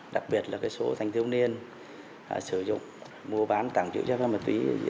đặc biệt là số thành thiếu niên sử dụng mua bán tặng chữ chất ma túy